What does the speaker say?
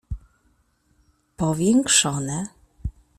Powiększone.